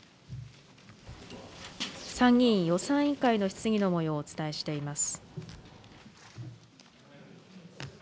参議院予算委員会の質疑のもようをお伝えしています。